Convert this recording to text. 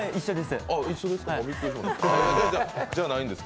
一緒です。